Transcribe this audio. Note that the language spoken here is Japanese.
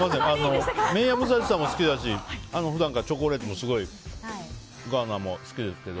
麺屋武蔵さんも好きだし普段からチョコレートもすごいガーナも好きですけど。